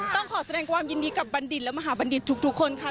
ต้องขอแสดงความยินดีกับบัณฑิตและมหาบัณฑิตทุกคนค่ะ